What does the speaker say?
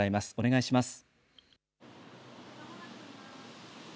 お願いします。